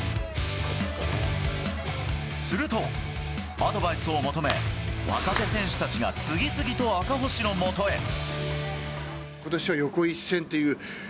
すると、アドバイスを求め若手選手たちが次々と赤星のもとへ。